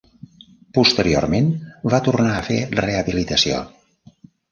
Posteriorment va tornar a fer rehabilitació.